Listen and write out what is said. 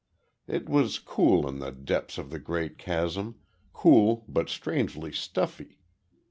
It was cool in the depths of the great chasm, cool but strangely stuffy.